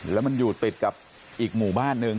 แล้วมันอยู่ติดกับอีกหมู่บ้านหนึ่ง